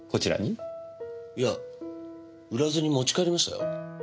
いや売らずに持ち帰りましたよ。